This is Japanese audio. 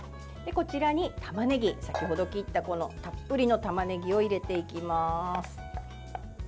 こちらに、たまねぎ先ほど切ったこのたっぷりのたまねぎを入れていきます。